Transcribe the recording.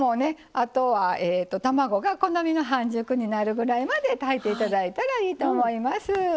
あとは卵が好みの半熟になるぐらいまで炊いて頂いたらいいと思います。